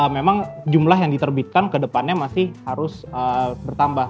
memang jumlah yang diterbitkan ke depannya masih harus bertambah